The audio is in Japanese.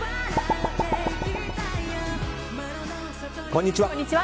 こんにちは。